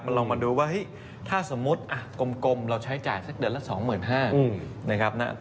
ลองมาดูว่าถ้าสมมุติกลมเราใช้จ่ายสักเดือนละ๒๕๐๐นะครับ